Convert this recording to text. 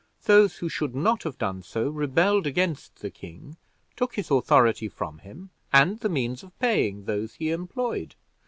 Those who should not have done so rebelled against the king, took his authority from him, and the means of paying those he employed.